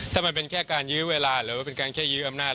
ถ้ามันเป็นแค่การยื้อเวลาหรือว่าเป็นการแค่ยื้ออำนาจ